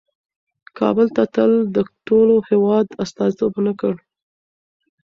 کابل تل د ټول هېواد استازیتوب ونه کړ.